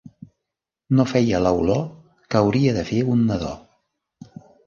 No feia l'olor que hauria de fer un nadó.